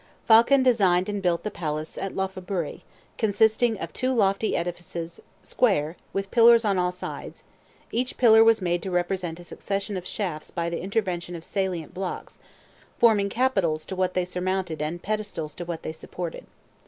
Phaulkon designed and built the palaces at Lophaburee, consisting of two lofty edifices, square, with pillars on all sides; each pillar was made to represent a succession of shafts by the intervention of salient blocks, forming capitals to what they surmounted and pedestals to what they supported.